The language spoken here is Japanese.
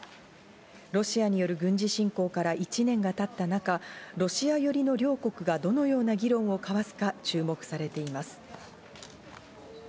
ロシアによる軍事侵攻から１年がたった中、ロシア寄りの両国がどのような議論を交わすか注目されています。